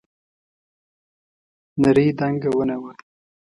نرۍ دنګه ونه وه.